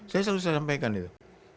saya selesai sampaikan itu